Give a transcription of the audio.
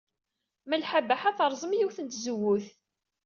Malḥa Baḥa terẓem yiwet n tzewwut.